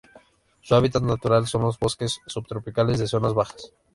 Su hábitat natural son los bosques subtropicales de zonas bajas.